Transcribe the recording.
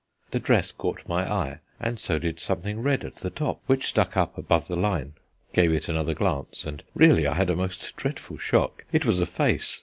The dress caught my eye, and so did something red at the top which stuck up above the line. I gave it another glance, and really I had a most dreadful shock. It was a face.